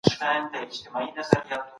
موږ به جاري وضعيت له راتلونکي سره وتړو.